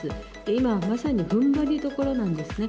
今、まさにふんばりどころなんですね。